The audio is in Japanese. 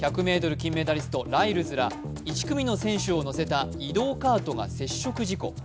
ライルズら１組の選手を乗せた移動カートが接触事故。